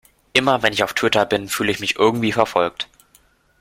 Immer, wenn ich auf Twitter bin, fühle ich mich irgendwie verfolgt.